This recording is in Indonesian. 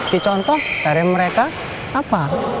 dicontoh dari mereka apa